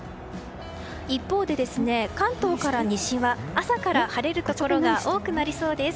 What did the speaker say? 一方で関東から西は朝から晴れるところが多くなりそうです。